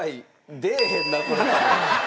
出えへんなこれは。